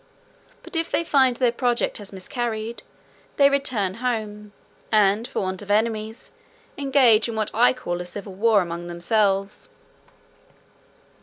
But if they find their project has miscarried, they return home, and, for want of enemies, engage in what I call a civil war among themselves.